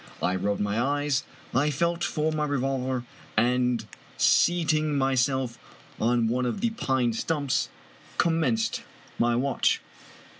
I rubbed my eyes, felt for my revolver, and seating myself on one of the pine stumps, commenced my watch.